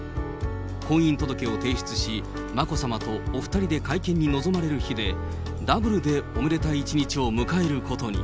婚姻届を提出し、眞子さまとお２人で会見に臨まれる日で、ダブルでおめでたい一日を迎えることに。